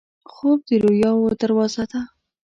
خوب د رویاوو دروازه ده